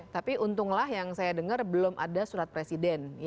tapi untunglah yang saya dengar belum ada surat presiden